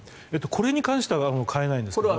これに関しては変えないんですが。